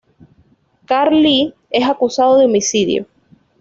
Carl Lee es acusado de homicidio.